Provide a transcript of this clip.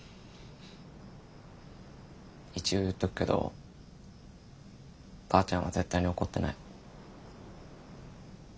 一応言っとくけどばあちゃんは絶対に怒ってない。